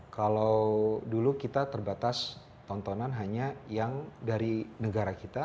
kalau dulu kita terbatas tontonan hanya yang dari negara kita